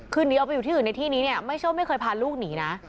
คือหนีออกไปอยู่ที่อื่นในที่นี้เนี่ยไม่ใช่ไม่เคยพาลูกหนีนะ